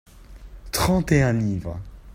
trente et un livres.